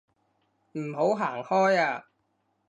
唔好行開啊